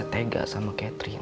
gak bisa tega sama catherine